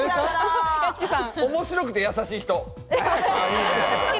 面白くてやさしい人。